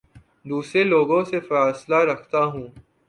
دوسرے لوگوں سے فاصلہ رکھتا ہوں